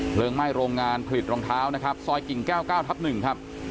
ไหม้โรงงานผลิตรองเท้านะครับซอยกิ่งแก้ว๙ทับ๑ครับ